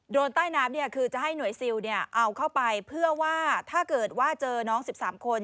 ใต้น้ำเนี่ยคือจะให้หน่วยซิลเอาเข้าไปเพื่อว่าถ้าเกิดว่าเจอน้อง๑๓คน